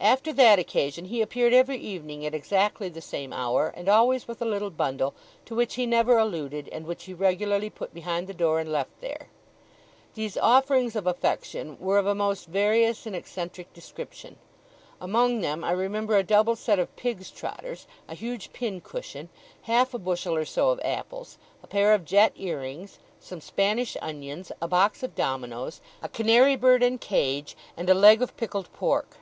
After that occasion he appeared every evening at exactly the same hour, and always with a little bundle, to which he never alluded, and which he regularly put behind the door and left there. These offerings of affection were of a most various and eccentric description. Among them I remember a double set of pigs' trotters, a huge pin cushion, half a bushel or so of apples, a pair of jet earrings, some Spanish onions, a box of dominoes, a canary bird and cage, and a leg of pickled pork.